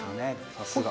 さすが。